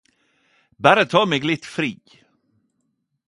Berre ta meg litt fri